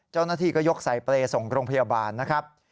เจ้าหน้าที่ก็ยกใส่เปรย์ส่งโรงพยาบาลนะครับ